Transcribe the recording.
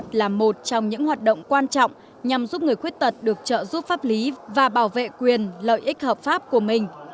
tư vấn pháp luật là một trong những hoạt động quan trọng nhằm giúp người khuyết tật được trợ giúp pháp lý và bảo vệ quyền lợi ích hợp pháp của mình